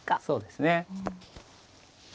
そうですね。